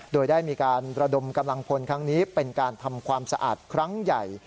โดยได้มีการระดมกำลังพลครั้งนี้เป็นการทำความสะอาดครั้งใหญ่